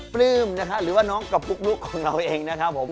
ปลื้มนะฮะหรือว่าน้องกระปุ๊กลุ๊กของเราเองนะครับผม